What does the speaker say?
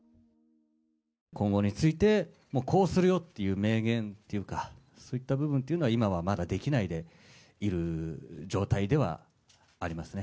今後について、こうするよっていう明言っていうか、そういった部分っていうのはまだできないでいる状態ではありますね。